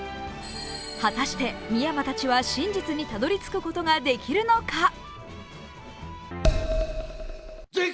果たして深山たちは真実にたどり着くことができるのか。